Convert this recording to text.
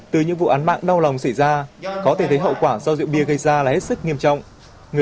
từ những vụ án mạng đau lòng xảy ra có thể thấy hậu quả do rượu bia gây ra là hết sức nghiêm trọng